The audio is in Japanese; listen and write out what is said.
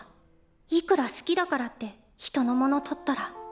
いくら好きだからって人のものとったら。